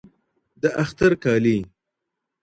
د اختر کالي